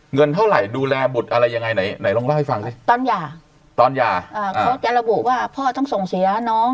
เงินเท่าไหร่ดูแลบุตรอะไรอย่างไรไหนลองเล่าให้ฟังสิ